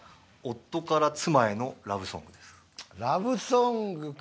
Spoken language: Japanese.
ラブソングか。